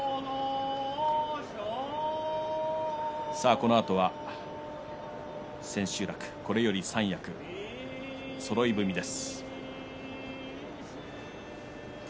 このあとは千秋楽これより三役そろい踏みです。